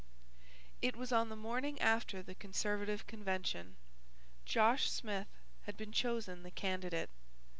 It was on the morning after the Conservative Convention. Josh Smith had been chosen the candidate.